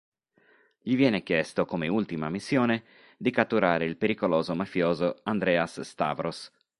Gli viene chiesto, come ultima missione, di catturare il pericoloso mafioso Andreas Stavros.